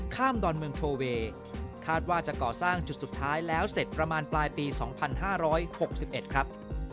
ดอนเมืองโทเวย์คาดว่าจะก่อสร้างจุดสุดท้ายแล้วเสร็จประมาณปลายปี๒๕๖๑ครับ